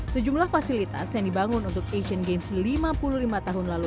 sejumlah fasilitas yang dibangun untuk asian games lima puluh lima tahun lalu